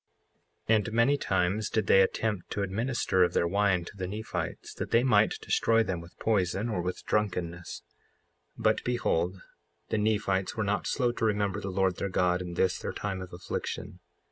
55:30 And many times did they attempt to administer of their wine to the Nephites, that they might destroy them with poison or with drunkenness. 55:31 But behold, the Nephites were not slow to remember the Lord their God in this their time of affliction.